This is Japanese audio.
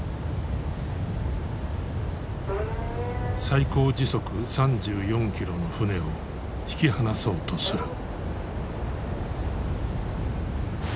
最高時速３４キロの船を引き離そうとする。